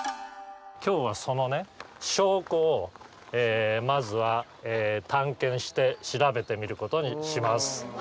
今日はそのね証拠をまずは探検して調べてみることにします。